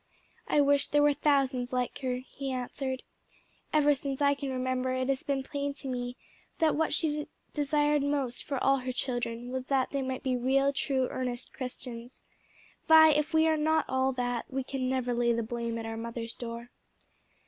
"I wish there were thousands like her," he answered. "Ever since I can remember it has been plain to me that what she most desired for all her children was that they might be real, true, earnest Christians. Vi, if we are not all that, we can never lay the blame at our mother's door."